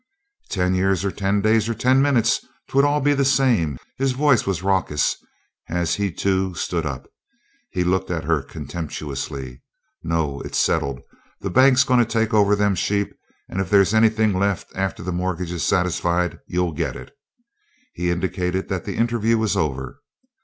"Ten years or ten days or ten minutes 'twould be all the same," his voice was raucous as he, too, stood up. He looked at her contemptuously. "No; it's settled. The bank's goin' to take over them sheep, and if there's anything left after the mortgage is satisfied you'll get it." He indicated that the interview was over.